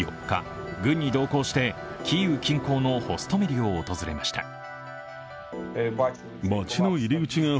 ４日、軍に同行してキーウ近郊のホストメリを訪れました。